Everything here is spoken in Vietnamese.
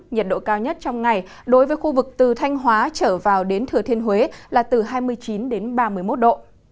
nhiệt độ cao nhất trong ngày đối với khu vực từ thanh hóa trở vào đến thừa thiên huế là từ hai mươi chín đến ba mươi một độ